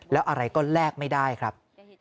แล้วอะไรก็แลกไม่ได้ครับ